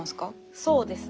そうですね。